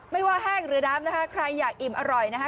ไม่ว่าแห้งหรือน้ำนะคะใครอยากอิ่มอร่อยนะคะ